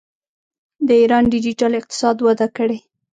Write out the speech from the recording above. د ایران ډیجیټل اقتصاد وده کړې.